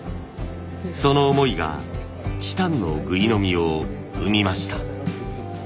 その思いがチタンのぐいのみを生みました。